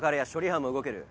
班も動ける。